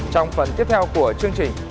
trong phần tiếp theo của chương trình